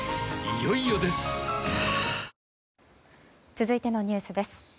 続いてのニュースです。